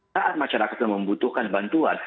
saat masyarakat membutuhkan bantuan